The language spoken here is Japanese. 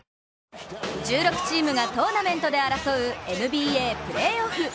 １６チームがトーナメントで争うＮＢＡプレーオフ。